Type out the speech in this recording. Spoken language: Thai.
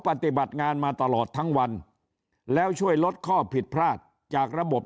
ปฏิบัติงานมาตลอดทั้งวันแล้วช่วยลดข้อผิดพลาดจากระบบ